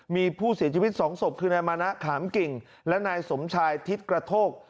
มีผู้เสียชีวิตสองศพคือนายมานะขามกิ่งและนายสมชายทิศกระโทก